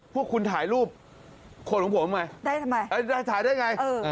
พวกคุณถ่ายรูปขนของผมไงถ่ายได้ไง